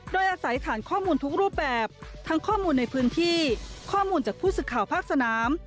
โดยอาศัยฐานข้อมูลทุกรูปแบบทั้งข้อมูลในพื้นที่ข้อมูลจากผู้สื่อข่าวภาคสนาม